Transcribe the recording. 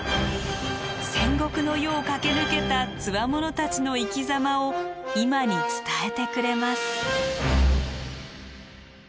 戦国の世を駆け抜けた兵たちの生きざまを今に伝えてくれます。